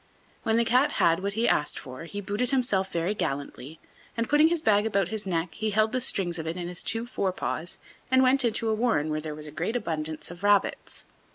When the Cat had what he asked for he booted himself very gallantly, and putting his bag about his neck, he held the strings of it in his two forepaws and went into a warren where was great abundance of rabbits.